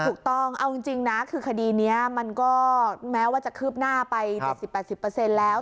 ถูกต้องเอาจริงนะคือคดีนี้มันก็แม้ว่าจะคืบหน้าไป๗๐๘๐แล้ว